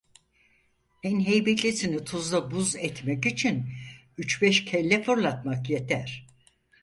En heybetlisini tuzla buz etmek için üç beş kelle fırlatmak yeter.